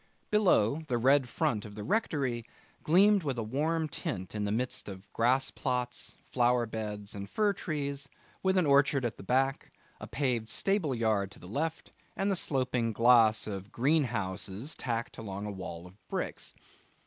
Below, the red front of the rectory gleamed with a warm tint in the midst of grass plots, flower beds, and fir trees, with an orchard at the back, a paved stable yard to the left, and the sloping glass of greenhouses tacked along a wall of bricks.